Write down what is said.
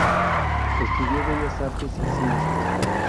Estudió bellas artes y ciencias.